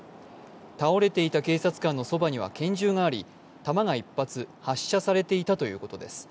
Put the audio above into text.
倒れていた警察官のそばには拳銃があり弾が一発発射されていたということです。